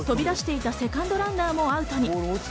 さらに飛び出していたセカンドランナーもアウトに。